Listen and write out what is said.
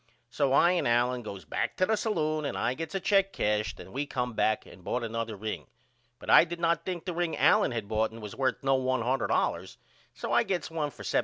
So I and Allen goes back to the salloon and I gets a check cashed and we come back and bought another ring but I did not think the ring Allen had boughten was worth no $100 so I gets one for $75.